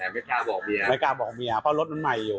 แต่ไม่กล้าบอกเมียไม่กล้าบอกเมียเพราะรถมันใหม่อยู่